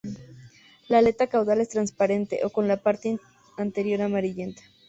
La aleta caudal es transparente, o con la parte anterior amarillenta.